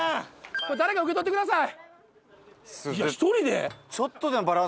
これ、誰か受け取ってください。